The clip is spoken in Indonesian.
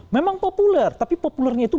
memang populer tapi populernya itu